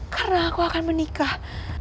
karena aku akan menikah